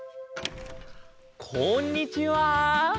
こんにちは。